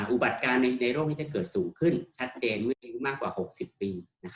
อุบัติการณ์ในโรคที่จะเกิดสูงขึ้นชัดเจนวิ่งมากกว่า๖๐ปี